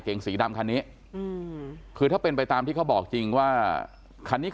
สีดำคันนี้อืมคือถ้าเป็นไปตามที่เขาบอกจริงว่าคันนี้